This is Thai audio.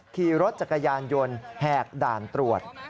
ขี่รถจักรยานยนต์แหกด่านตรวจ